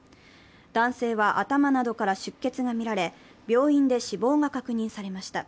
男性は頭などから出血がみられ、病院で死亡が確認されました。